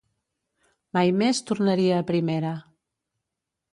Mai més tornaria a Primera.